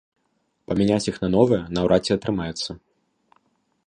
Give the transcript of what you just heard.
Памяняць іх на новыя наўрад ці атрымаецца.